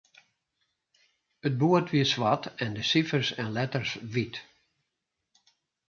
It boerd wie swart en de sifers en letters wyt.